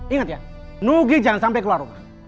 ingat ya nugi jangan sampai keluar rumah